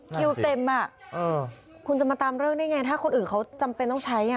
คิวเต็มอ่ะคุณจะมาตามเรื่องได้ไงถ้าคนอื่นเขาจำเป็นต้องใช้